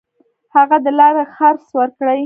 هغه د لارې خرڅ ورکړي.